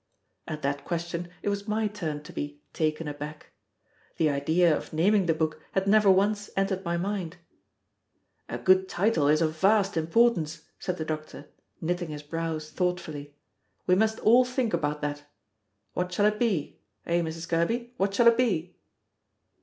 At that question it was my turn to be "taken aback." The idea of naming the book had never once entered my head. "A good title is of vast importance," said the doctor, knitting his brows thoughtfully. "We must all think about that. What shall it be? eh, Mrs. Kerby, what shall it be?"